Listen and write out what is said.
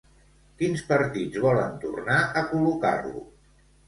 Quins partits volen tornar a col·locar-lo?